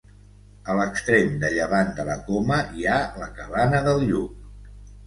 A l'extrem de llevant de la Coma hi ha la Cabana del Lluc.